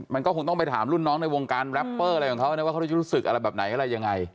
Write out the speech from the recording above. มันก็คงต้องไปข้างลุ่นน้องในวงการรัพเพอว่าจะรู้สึกแบบไหนก็สำคัญ